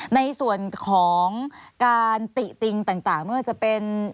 ในส่วนของการติติงต่างไม่ว่าจะเป็น